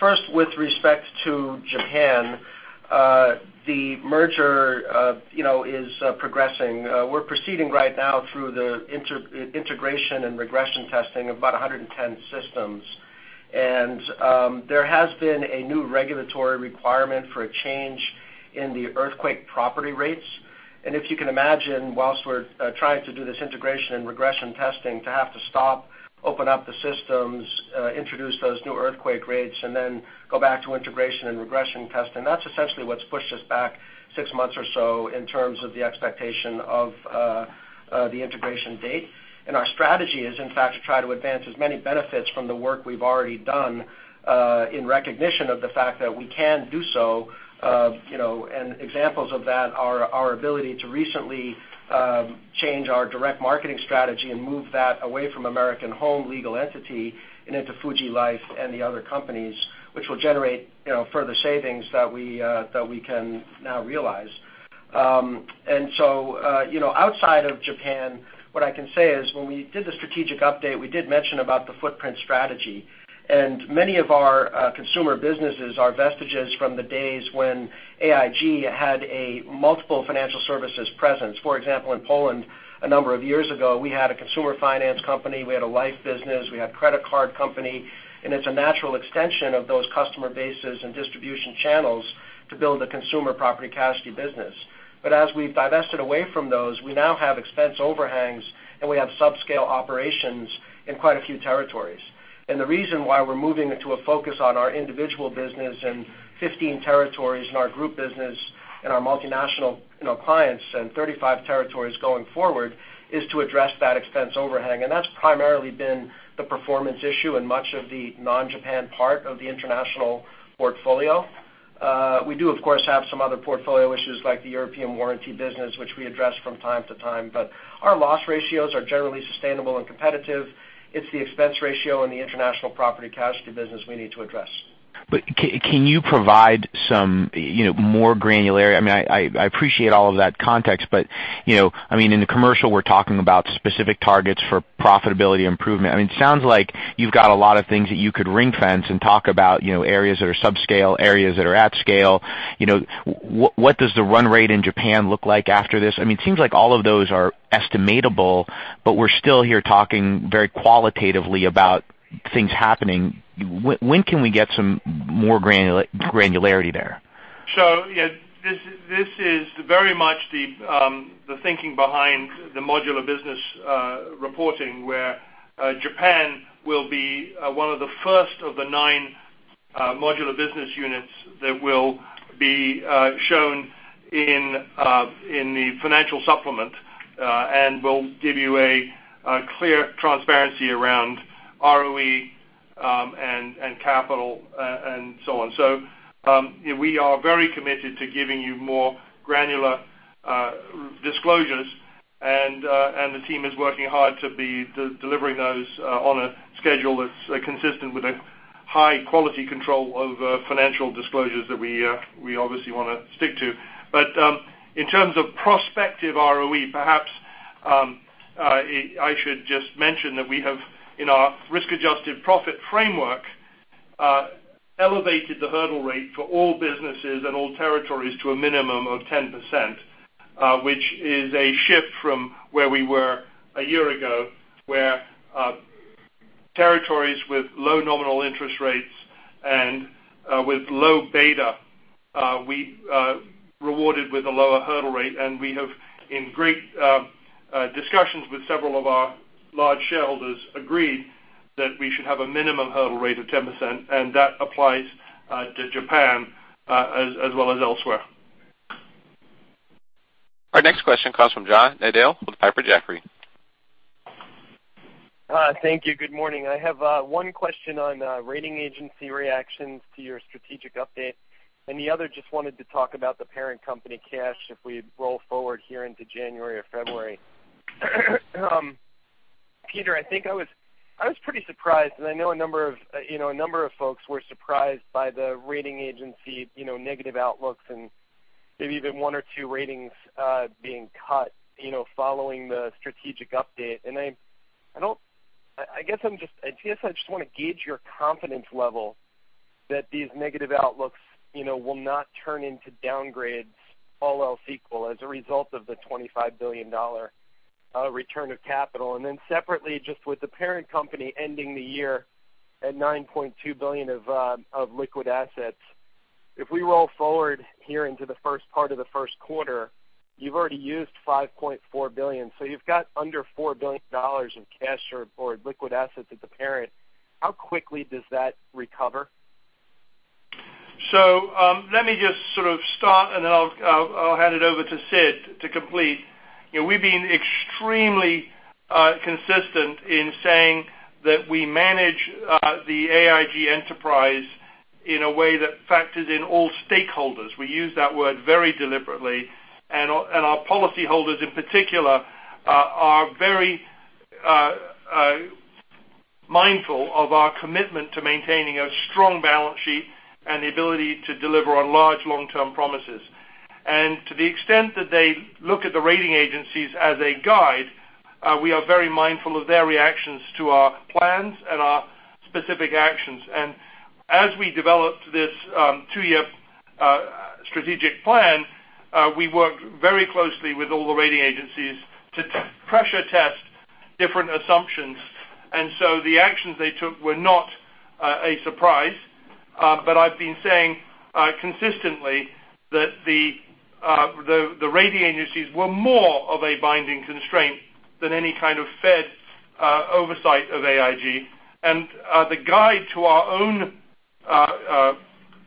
First, with respect to Japan, the merger is progressing. We're proceeding right now through the integration and regression testing of about 110 systems. There has been a new regulatory requirement for a change in the earthquake property rates. If you can imagine, whilst we're trying to do this integration and regression testing to have to stop, open up the systems, introduce those new earthquake rates, and then go back to integration and regression testing, that's essentially what's pushed us back six months or so in terms of the expectation of the integration date. Our strategy is, in fact, to try to advance as many benefits from the work we've already done, in recognition of the fact that we can do so. Examples of that are our ability to recently change our direct marketing strategy and move that away from American Home legal entity and into Fuji Life and the other companies, which will generate further savings that we can now realize. Outside of Japan, what I can say is when we did the strategic update, we did mention about the footprint strategy. Many of our consumer businesses are vestiges from the days when AIG had a multiple financial services presence. For example, in Poland, a number of years ago, we had a consumer finance company, we had a life business, we had credit card company, and it's a natural extension of those customer bases and distribution channels to build a consumer property casualty business. As we divested away from those, we now have expense overhangs, and we have subscale operations in quite a few territories. The reason why we're moving into a focus on our individual business in 15 territories, in our group business, in our multinational clients and 35 territories going forward, is to address that expense overhang. That's primarily been the performance issue in much of the non-Japan part of the international portfolio. We do, of course, have some other portfolio issues like the European warranty business, which we address from time to time. Our loss ratios are generally sustainable and competitive. It's the expense ratio and the international property casualty business we need to address. Can you provide some more granularity? I appreciate all of that context, but in the commercial, we're talking about specific targets for profitability improvement. It sounds like you've got a lot of things that you could ring fence and talk about areas that are subscale, areas that are at scale. What does the run rate in Japan look like after this? It seems like all of those are estimatable, but we're still here talking very qualitatively about things happening. When can we get some more granularity there? This is very much the thinking behind the modular business reporting, where Japan will be one of the first of the nine modular business units that will be shown in the financial supplement and will give you a clear transparency around ROE and capital and so on. We are very committed to giving you more granular disclosures, and the team is working hard to be delivering those on a schedule that's consistent with a high quality control over financial disclosures that we obviously want to stick to. In terms of prospective ROE, perhaps I should just mention that we have, in our risk-adjusted profit framework, elevated the hurdle rate for all businesses and all territories to a minimum of 10%, which is a shift from where we were a year ago, where territories with low nominal interest rates and with low beta, we rewarded with a lower hurdle rate. We have, in great discussions with several of our large shareholders, agreed that we should have a minimum hurdle rate of 10%, and that applies to Japan as well as elsewhere. Our next question comes from John Nadel with Piper Jaffray. Hi. Thank you. Good morning. I have one question on rating agency reactions to your strategic update. The other, just wanted to talk about the parent company cash if we roll forward here into January or February. Peter, I think I was pretty surprised, and I know a number of folks were surprised by the rating agency negative outlooks and maybe even one or two ratings being cut following the strategic update. I guess I just want to gauge your confidence level that these negative outlooks will not turn into downgrades, all else equal, as a result of the $25 billion return of capital. Then separately, just with the parent company ending the year at $9.2 billion of liquid assets, if we roll forward here into the first part of the first quarter, you've already used $5.4 billion. You've got under $4 billion in cash or liquid assets at the parent. How quickly does that recover? Let me just sort of start, and then I'll hand it over to Sid to complete. We've been extremely consistent in saying that we manage the AIG enterprise in a way that factors in all stakeholders. We use that word very deliberately. Our policyholders, in particular, are very mindful of our commitment to maintaining a strong balance sheet and the ability to deliver on large long-term promises. To the extent that they look at the rating agencies as a guide, we are very mindful of their reactions to our plans and our specific actions. As we developed this two-year strategic plan, we worked very closely with all the rating agencies to pressure test different assumptions. The actions they took were not a surprise. I've been saying consistently that the rating agencies were more of a binding constraint than any kind of Fed oversight of AIG. The guide to our own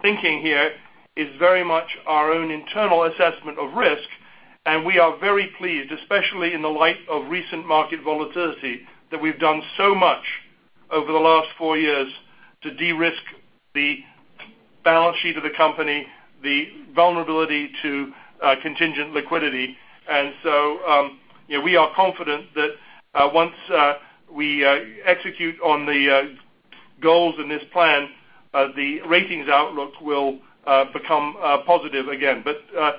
thinking here is very much our own internal assessment of risk, and we are very pleased, especially in the light of recent market volatility, that we've done so much over the last 4 years to de-risk the balance sheet of the company, the vulnerability to contingent liquidity. We are confident that once we execute on the goals in this plan, the ratings outlook will become positive again.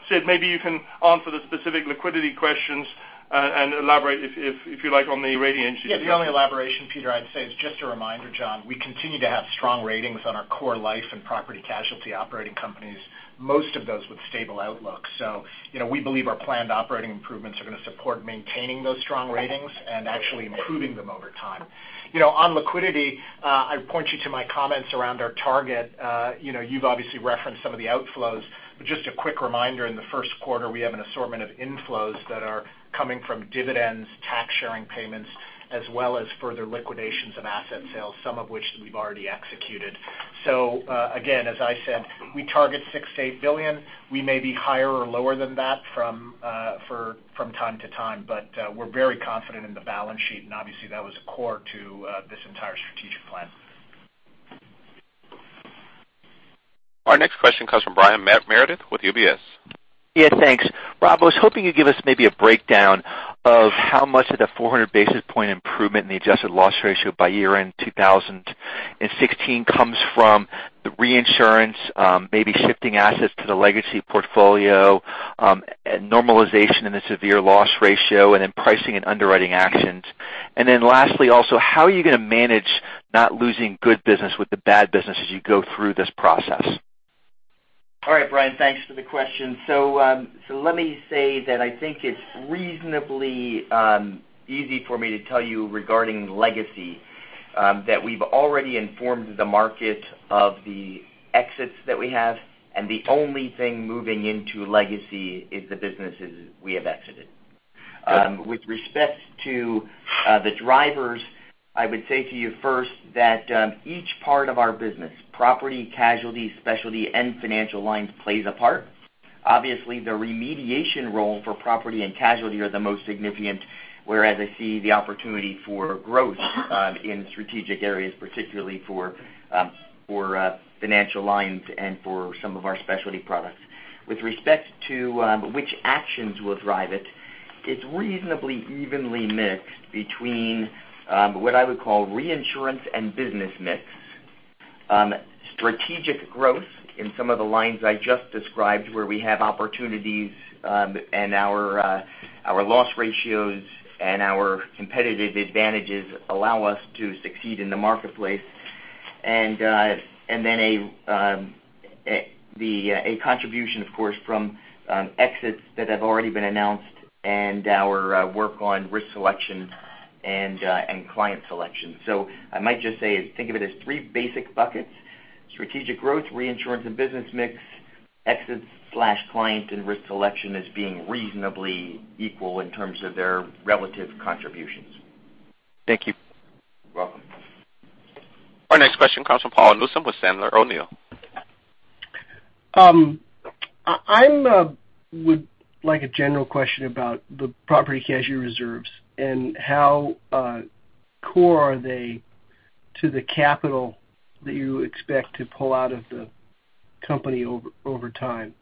Sid, maybe you can answer the specific liquidity questions and elaborate, if you like, on the rating agencies. The only elaboration, Peter, I'd say is just a reminder, John, we continue to have strong ratings on our core life and property casualty operating companies, most of those with stable outlooks. We believe our planned operating improvements are going to support maintaining those strong ratings and actually improving them over time. On liquidity, I'd point you to my comments around our target. You've obviously referenced some of the outflows, but just a quick reminder, in the first quarter, we have an assortment of inflows that are coming from dividends, tax sharing payments, as well as further liquidations of asset sales, some of which we've already executed. Again, as I said, we target $6 billion-$8 billion. We may be higher or lower than that from time to time, but we're very confident in the balance sheet, and obviously, that was core to this entire strategic plan. Our next question comes from Brian Meredith with UBS. Thanks. Rob, I was hoping you'd give us maybe a breakdown of how much of the 400 basis point improvement in the adjusted loss ratio by year-end 2016 comes from the reinsurance maybe shifting assets to the legacy portfolio, normalization in the severe loss ratio, and then pricing and underwriting actions. Lastly, also, how are you going to manage not losing good business with the bad business as you go through this process? All right, Brian, thanks for the question. Let me say that I think it's reasonably easy for me to tell you regarding legacy, that we've already informed the market of the exits that we have, and the only thing moving into legacy is the businesses we have exited. Good. With respect to the drivers, I would say to you first that each part of our business, property, casualty, specialty, and financial lines, plays a part. Obviously, the remediation role for property and casualty are the most significant, where I see the opportunity for growth in strategic areas, particularly for financial lines and for some of our specialty products. With respect to which actions will drive it's reasonably evenly mixed between what I would call reinsurance and business mix. Strategic growth in some of the lines I just described, where we have opportunities, and our loss ratios and our competitive advantages allow us to succeed in the marketplace. Then a contribution, of course, from exits that have already been announced and our work on risk selection and client selection. I might just say, think of it as three basic buckets, strategic growth, reinsurance, and business mix, exits/client and risk selection as being reasonably equal in terms of their relative contributions. Thank you. You're welcome. Our next question comes from Paul Newsome with Sandler O'Neill. I would like a general question about the property casualty reserves and how core are they to the capital that you expect to pull out of the company over time.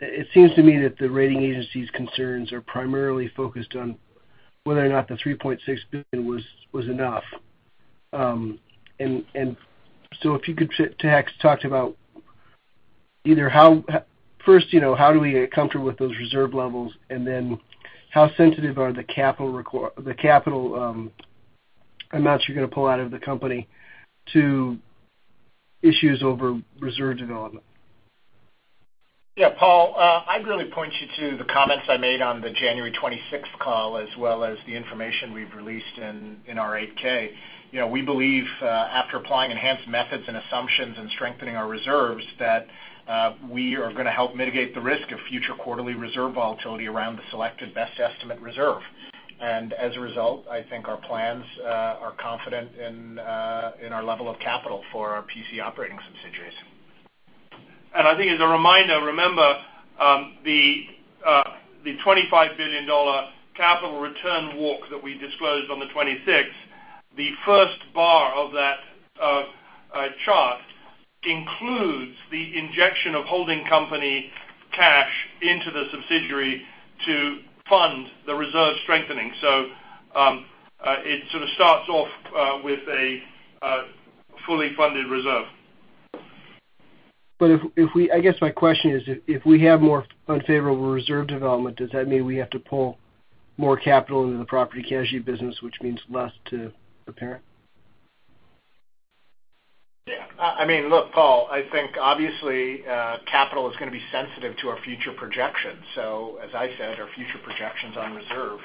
It seems to me that the rating agency's concerns are primarily focused on whether or not the $3.6 billion was enough. So if you could talk about either first, how do we get comfortable with those reserve levels, and then how sensitive are the capital amounts you're going to pull out of the company to issues over reserve development? Yeah, Paul. I'd really point you to the comments I made on the January 26th call, as well as the information we've released in our 8-K. We believe, after applying enhanced methods and assumptions and strengthening our reserves, that we are going to help mitigate the risk of future quarterly reserve volatility around the selected best estimate reserve. As a result, I think our plans are confident in our level of capital for our P&C operating subsidiaries. I think as a reminder, remember the $25 billion capital return walk that we disclosed on the 26th, the first bar of that chart includes the injection of holding company cash into the subsidiary to fund the reserve strengthening. It sort of starts off with a fully funded reserve. I guess my question is if we have more unfavorable reserve development, does that mean we have to pull more capital into the property casualty business, which means less to the parent? Yeah. Look, Paul, I think obviously, capital is going to be sensitive to our future projections. As I said, our future projections on reserve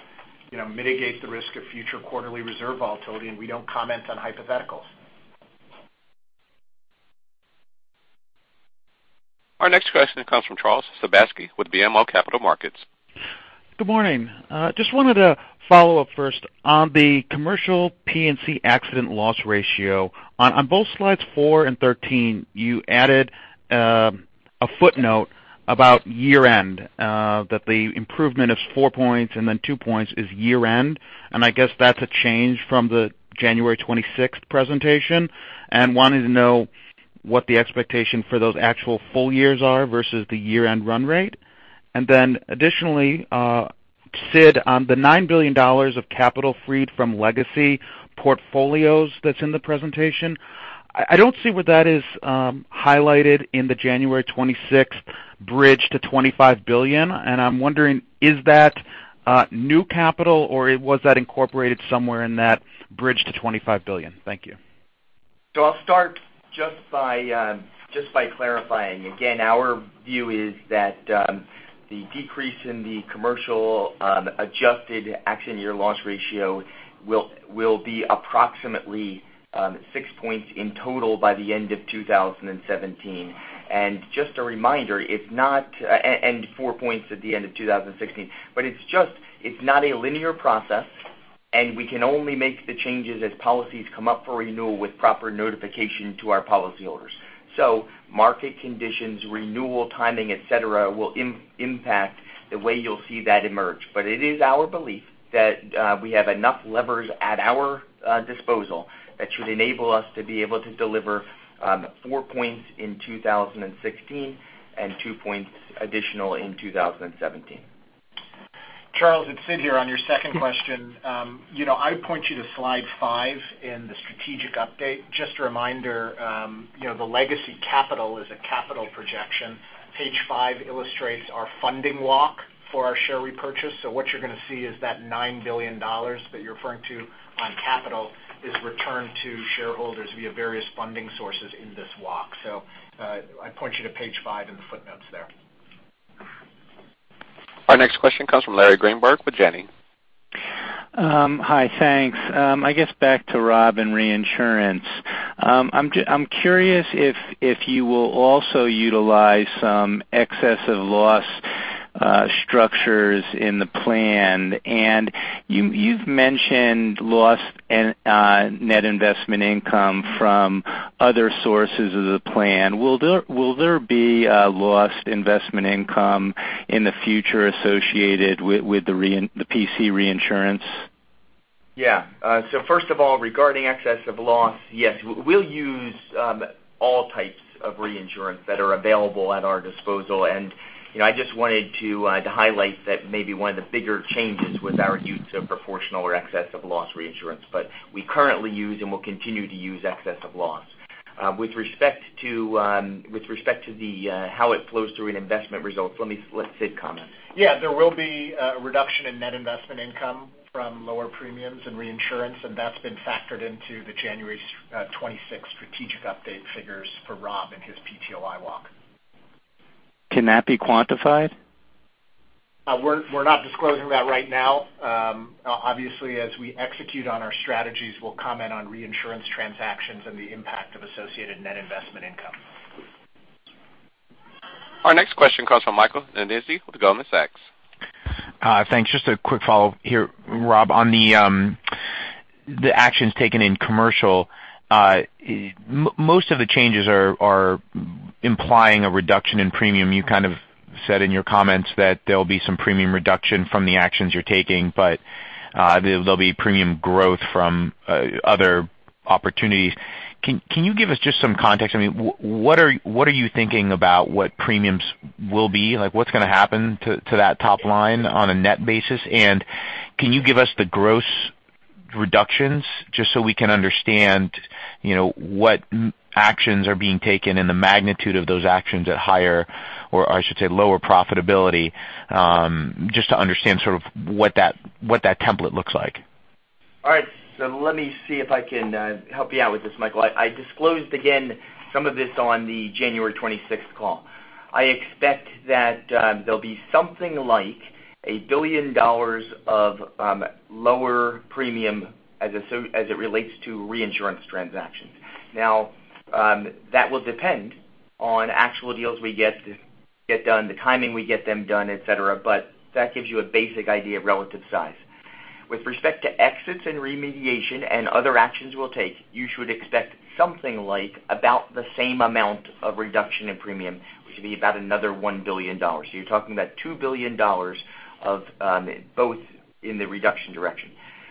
mitigate the risk of future quarterly reserve volatility, and we don't comment on hypotheticals. Our next question comes from Charles Sebaski with BMO Capital Markets. Good morning. I wanted to follow up first on the commercial P&C accident loss ratio. On both slides four and 13, you added a footnote about year-end, that the improvement is four points and then two points is year-end. I guess that's a change from the January 26th presentation. I wanted to know what the expectation for those actual full years are versus the year-end run rate. Additionally, Sid, on the $9 billion of capital freed from legacy portfolios that's in the presentation, I don't see where that is highlighted in the January 26th bridge to $25 billion. I'm wondering, is that new capital, or was that incorporated somewhere in that bridge to $25 billion? Thank you. I'll start just by clarifying again, our view is that the decrease in the commercial adjusted accident year loss ratio will be approximately six points in total by the end of 2017. Just a reminder, four points at the end of 2016. It's not a linear process, and we can only make the changes as policies come up for renewal with proper notification to our policyholders. Market conditions, renewal, timing, et cetera, will impact the way you'll see that emerge. It is our belief that we have enough levers at our disposal that should enable us to be able to deliver four points in 2016 and two points additional in 2017. Charles, it's Sid here. On your second question, I'd point you to slide five in the strategic update. Just a reminder, the legacy capital is a capital projection. Page five illustrates our funding walk for our share repurchase. What you're going to see is that $9 billion that you're referring to on capital is returned to shareholders via various funding sources in this walk. I'd point you to page five in the footnotes there. Our next question comes from Larry Greenberg with Janney. Hi, thanks. I guess back to Rob and reinsurance. I'm curious if you will also utilize some excess of loss structures in the plan. You've mentioned loss net investment income from other sources of the plan. Will there be a loss investment income in the future associated with the P&C reinsurance? Yeah. First of all, regarding excess of loss, yes. We'll use all types of reinsurance that are available at our disposal. I just wanted to highlight that maybe one of the bigger changes was our use of proportional or excess of loss reinsurance. We currently use and will continue to use excess of loss. With respect to how it flows through in investment results, let Sid comment. Yeah, there will be a reduction in net investment income from lower premiums and reinsurance, that's been factored into the January 26th strategic update figures for Rob and his PTOI walk. Can that be quantified? We're not disclosing that right now. Obviously, as we execute on our strategies, we'll comment on reinsurance transactions and the impact of associated net investment income. Our next question comes from Michael Nannizzi with Goldman Sachs. Thanks. Just a quick follow-up here, Rob. On the actions taken in Commercial, most of the changes are implying a reduction in premium. You kind of said in your comments that there'll be some premium reduction from the actions you're taking, but there'll be premium growth from other opportunities. Can you give us just some context? What are you thinking about what premiums will be? What's going to happen to that top line on a net basis? Can you give us the gross reductions just so we can understand what actions are being taken and the magnitude of those actions at higher, or I should say lower profitability, just to understand what that template looks like. All right. Let me see if I can help you out with this, Michael. I disclosed, again, some of this on the January 26th call. I expect that there'll be something like $1 billion of lower premium as it relates to reinsurance transactions. Now, that will depend on actual deals we get done, the timing we get them done, et cetera, but that gives you a basic idea of relative size. With respect to exits and remediation and other actions we'll take, you should expect something like about the same amount of reduction in premium, which would be about another $1 billion. You're talking about $2 billion of both in the reduction direction.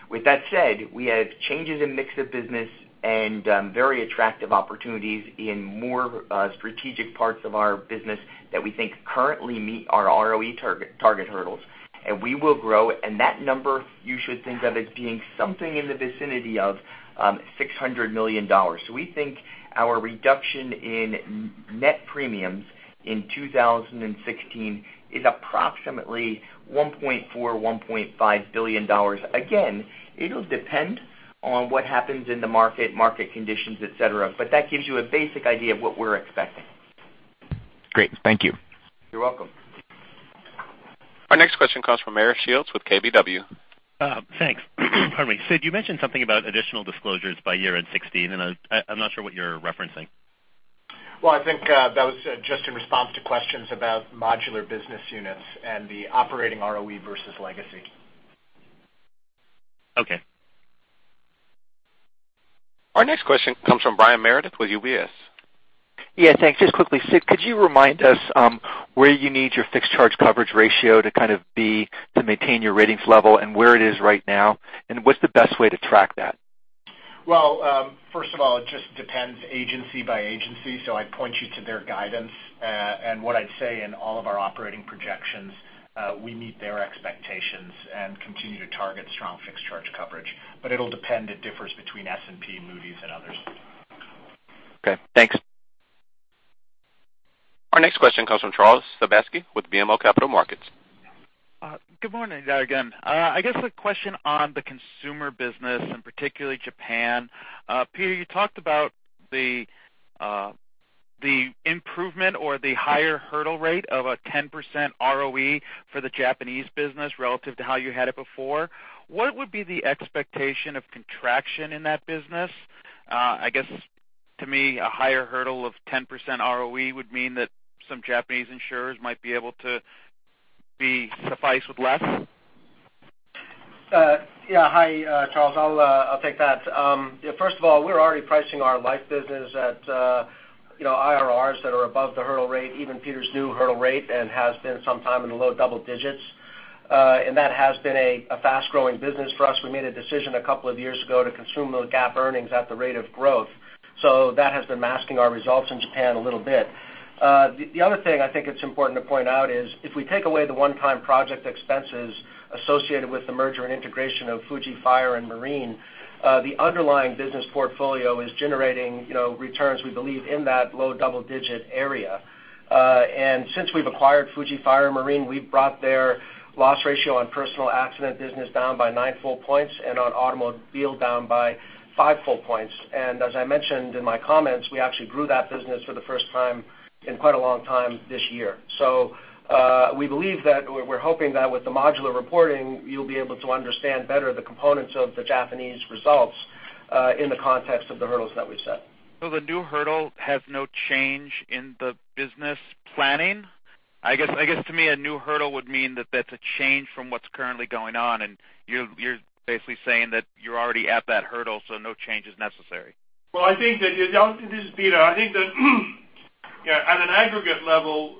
With that said, we have changes in mix of business and very attractive opportunities in more strategic parts of our business that we think currently meet our ROE target hurdles, and we will grow it. That number, you should think of as being something in the vicinity of $600 million. We think our reduction in net premiums in 2016 is approximately $1.4 billion-$1.5 billion. Again, it'll depend on what happens in the market conditions, et cetera, but that gives you a basic idea of what we're expecting. Great. Thank you. You're welcome. Our next question comes from Meyer Shields with KBW. Thanks. Pardon me. Sid, you mentioned something about additional disclosures by year-end 2016. I'm not sure what you're referencing. Well, I think that was just in response to questions about modular business units and the operating ROE versus legacy. Okay. Our next question comes from Brian Meredith with UBS. Yeah, thanks. Just quickly, Sid, could you remind us where you need your fixed charge coverage ratio to kind of be to maintain your ratings level and where it is right now, and what's the best way to track that? Well, first of all, it just depends agency by agency. I'd point you to their guidance. What I'd say in all of our operating projections, we meet their expectations and continue to target strong fixed charge coverage. It'll depend. It differs between S&P, Moody's, and others. Okay, thanks. Our next question comes from Charles Sebaski with BMO Capital Markets. Good morning, thanks again. I guess a question on the consumer business, and particularly Japan. Peter, you talked about the improvement or the higher hurdle rate of a 10% ROE for the Japanese business relative to how you had it before. What would be the expectation of contraction in that business? I guess, to me, a higher hurdle of 10% ROE would mean that some Japanese insurers might be able to be sufficed with less. Yeah. Hi, Charles. I'll take that. First of all, we're already pricing our life business at IRRs that are above the hurdle rate, even Peter's new hurdle rate, and has been some time in the low double digits. That has been a fast-growing business for us. We made a decision a couple of years ago to consume those GAAP earnings at the rate of growth. That has been masking our results in Japan a little bit. The other thing I think it's important to point out is if we take away the one-time project expenses associated with the merger and integration of Fuji Fire and Marine, the underlying business portfolio is generating returns, we believe, in that low double-digit area. Since we've acquired Fuji Fire and Marine, we've brought their loss ratio on personal accident business down by nine full points and on automobile down by five full points. As I mentioned in my comments, we actually grew that business for the first time in quite a long time this year. We're hoping that with the modular reporting, you'll be able to understand better the components of the Japanese results in the context of the hurdles that we've set. The new hurdle has no change in the business planning? I guess to me, a new hurdle would mean that that's a change from what's currently going on, you're basically saying that you're already at that hurdle, no change is necessary. Well, this is Peter. I think that at an aggregate level,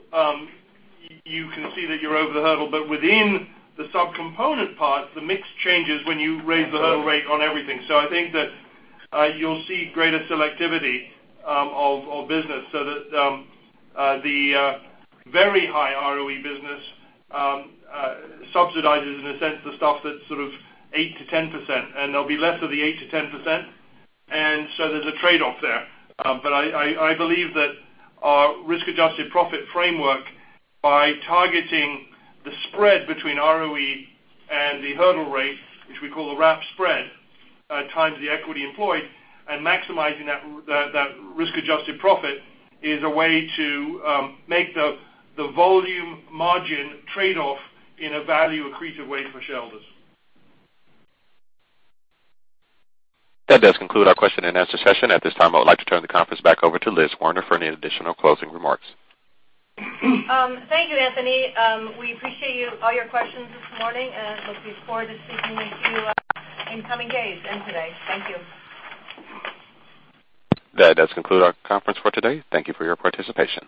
you can see that you're over the hurdle, within the sub-component part, the mix changes when you raise the hurdle rate on everything. I think that you'll see greater selectivity of business so that the very high ROE business subsidizes, in a sense, the stuff that's sort of 8%-10%, and there'll be less of the 8%-10%. There's a trade-off there. I believe that our risk-adjusted profit framework, by targeting the spread between ROE and the hurdle rate, which we call the RAP spread, times the equity employed and maximizing that risk-adjusted profit is a way to make the volume margin trade-off in a value-accretive way for shareholders. That does conclude our question-and-answer session. At this time, I would like to turn the conference back over to Elizabeth Werner for any additional closing remarks. Thank you, Anthony. We appreciate all your questions this morning and look forward to speaking with you in coming days and today. Thank you. That does conclude our conference for today. Thank you for your participation.